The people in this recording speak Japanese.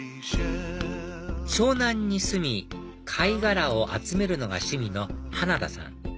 湘南に住み貝殻を集めるのが趣味の花田さん